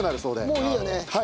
もういいよね？